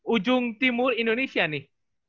ujung timur indonesia nih